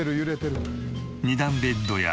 ２段ベッドや。